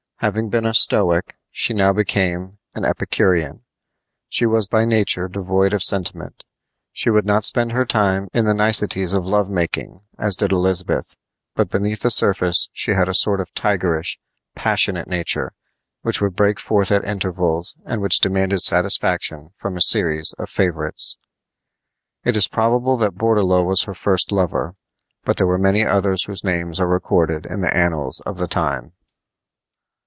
Having been a Stoic, she now became an Epicurean. She was by nature devoid of sentiment. She would not spend her time in the niceties of love making, as did Elizabeth; but beneath the surface she had a sort of tigerish, passionate nature, which would break forth at intervals, and which demanded satisfaction from a series of favorites. It is probable that Bourdelot was her first lover, but there were many others whose names are recorded in the annals of the time.